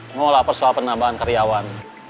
mau lapor soal penambahan karyawan